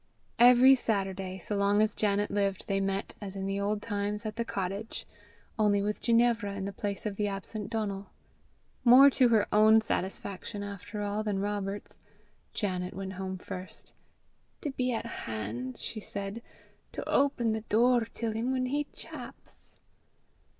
Every Saturday, so long as Janet lived, they met, as in the old times, at the cottage only with Ginevra in the place of the absent Donal. More to her own satisfaction, after all, than Robert's, Janet went home first, "to be at han'," she said, "to open the door till him whan he chaps."